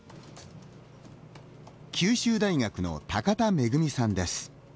九州大学の高田仁さんです。